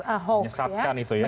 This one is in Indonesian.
menyesatkan itu ya